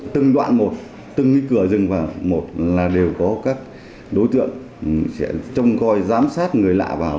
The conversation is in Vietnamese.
từng đoạn một từng cái cửa rừng và một là đều có các đối tượng sẽ trông coi giám sát người lạ vào